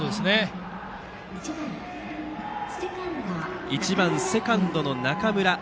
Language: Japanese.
打席には１番セカンドの中村。